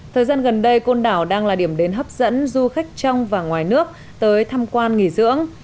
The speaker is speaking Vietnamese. thời gian gần đây côn đảo đang là điểm đến hấp dẫn du khách trong và ngoài nước tới tham quan nghỉ dưỡng